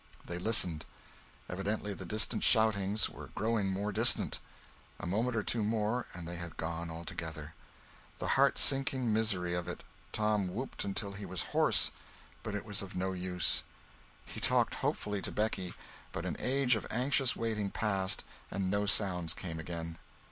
They listened; evidently the distant shoutings were growing more distant! a moment or two more and they had gone altogether. The heart sinking misery of it! Tom whooped until he was hoarse, but it was of no use. He talked hopefully to Becky; but an age of anxious waiting passed and no sounds came again.